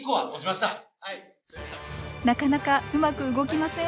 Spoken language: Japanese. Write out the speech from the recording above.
なかなかうまく動きません。